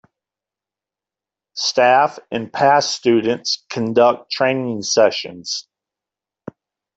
Staff and past students conduct training sessions.